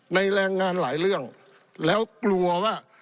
แรงงานหลายเรื่องแล้วกลัวว่า